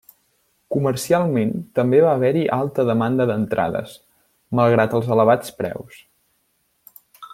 Comercialment també va haver-hi alta demanda d'entrades, malgrat els elevats preus.